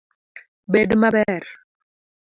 Bed maber.